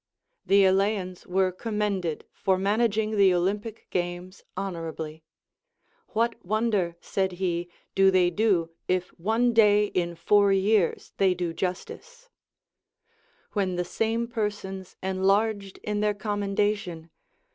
The Eleans were com mended for managing the Olympic games honorably. What Avonder, said he, do they do, if one day in four years they do justice? When the same persons enlarged in their commendation.